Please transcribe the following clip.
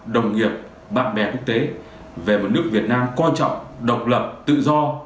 đồng nghiệp bạn bè quốc tế về một nước việt nam coi trọng độc lập tự do